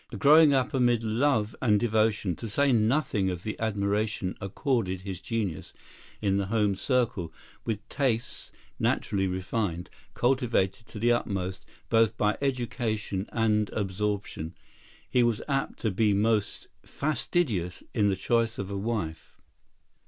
Growing up amid love and devotion, to say nothing of the admiration accorded his genius in the home circle, with tastes, naturally refined, cultivated to the utmost both by education and absorption, he was apt to be most fastidious in the choice of a wife.